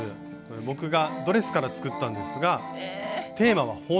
僕がドレスから作ったんですがテーマは「炎」。